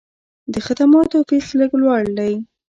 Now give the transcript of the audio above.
د خدماتو فیس لږ لوړ دی.